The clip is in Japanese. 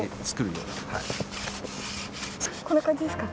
こんな感じですか？